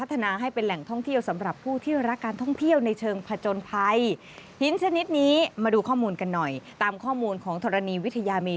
ตามข้อมูลกันหน่อยตามข้อมูลของธรนีวิทยามี